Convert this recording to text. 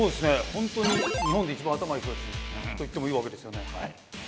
本当に日本で一番頭いい人たちと言ってもいいわけですよね。